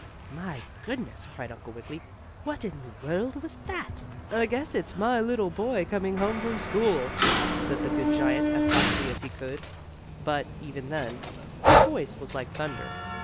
"My goodness!" cried Uncle Wiggily, "what in the world is that?" "I guess it's my little boy coming home from school," said the good giant as softly as he could, but, even then, his voice was like thunder.